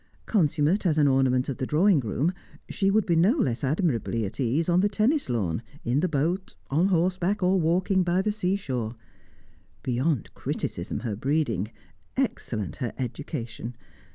Consummate as an ornament of the drawing room, she would be no less admirably at ease on the tennis lawn, in the boat, on horseback, or walking by the seashore. Beyond criticism her breeding; excellent her education.